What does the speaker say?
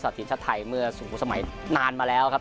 สถิตชาติไทยเมื่อสมัยนานมาแล้วครับ